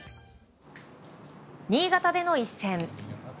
新潟での一戦。